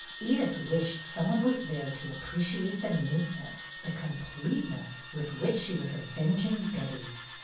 Edyth wished some one was there to appreciate the neatness, the com pleteness, with which she was avenging Betty.